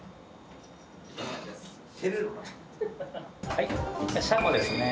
はいシャコですね。